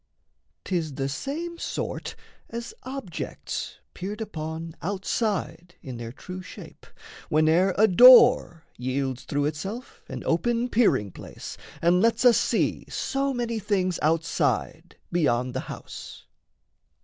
'Tis the same sort as objects peered upon Outside in their true shape, whene'er a door Yields through itself an open peering place, And lets us see so many things outside Beyond the house.